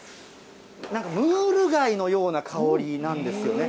なんかムール貝のような香りなんですよね。